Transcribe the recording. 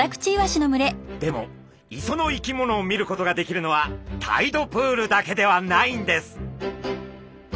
でも磯の生き物を見ることができるのはタイドプールだけではないんです！